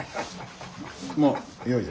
もうよいぞ。